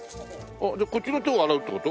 でこっちの手を洗うって事？